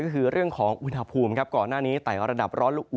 ก็คือเรื่องของอุณหภูมิครับก่อนหน้านี้ไต่ระดับร้อนละอุ